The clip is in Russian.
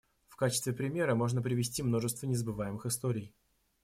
В качестве примера можно привести множество незабываемых историй.